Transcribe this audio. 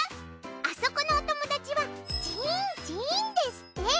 あそこのおともだちはジーンジーンですって。